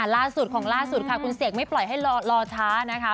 ล่าสุดของล่าสุดค่ะคุณเสกไม่ปล่อยให้รอช้านะคะ